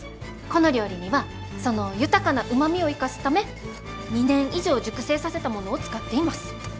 この料理にはその豊かなうまみを生かすため２年以上熟成させたものを使っています。